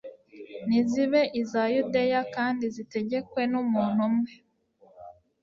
nizibe iza yudeya kandi zitegekwe n'umuntu umwe